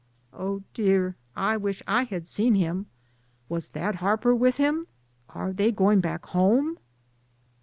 "Oh, dear, I wish I had seen him. Was Thad Harper with him? Are they going back home?"